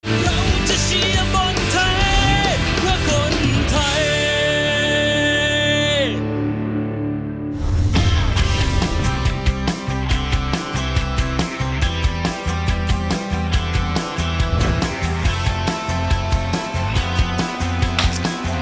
เราจะเชียร์บอลแท้เพื่อคนไทย